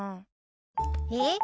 えっ？